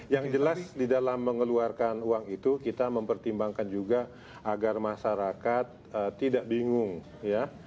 yang jelas di dalam mengeluarkan uang itu kita mempertimbangkan juga agar masyarakat tidak bingung ya